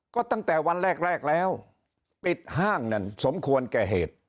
ก็ตั้งแต่วันแรกแล้วปิดห้างนั้นสมควรแก่เหตุ